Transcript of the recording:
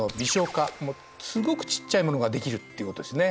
すごくちっちゃいものができるっていうことですね。